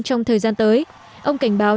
trong thời gian tới ông cảnh báo